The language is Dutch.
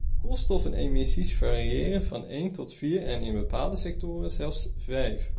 Koolstofemissies variëren van één tot vier en in bepaalde sectoren zelfs vijf.